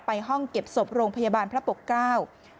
ห้องเก็บศพโรงพยาบาลพระปกเกล้า